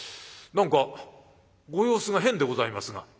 何かご様子が変でございますが」。